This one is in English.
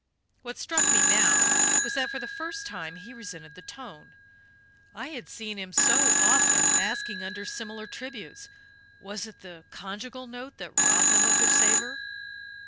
What struck me now was that, for the first time, he resented the tone. I had seen him, so often, basking under similar tributes was it the conjugal note that robbed them of their savour?